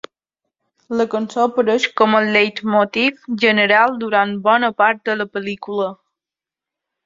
La cançó apareix com a leitmotiv general durant bona part de la pel·lícula.